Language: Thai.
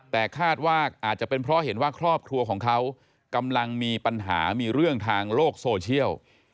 แต่คาดว่าอาจจะเป็นเพราะเห็นว่าครอบครัวของเขากำลังมีปัญหามีเรื่องทางโลกโซเชียล